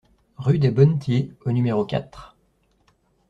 Rue des Bonnetiers au numéro quatre